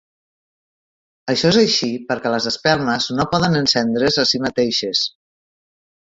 Això és així perquè les espelmes no poden encendre's a si mateixes.